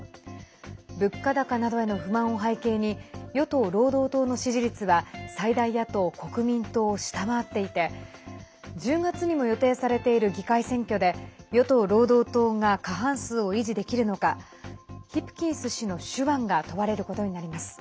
物価高などへの不満を背景に与党・労働党の支持率は最大野党・国民党を下回っていて１０月にも予定されている議会選挙で、与党・労働党が過半数を維持できるのかヒプキンス氏の手腕が問われることになります。